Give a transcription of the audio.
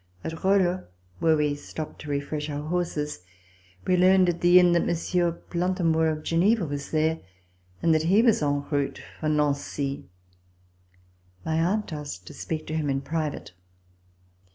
At Rolle, where we stopped to refresh our horses, we learned at the inn that Monsieur Plantamour of Geneva was there and that he was en route for Nancy. My aunt asked to speak to him in private.